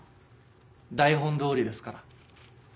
台本どおりですから。